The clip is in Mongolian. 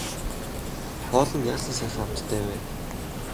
Хоол нь яасан сайхан амттай вэ.